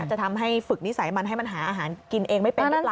จะทำให้ฝึกนิสัยมันให้มันหาอาหารกินเองไม่เป็นหรือเปล่า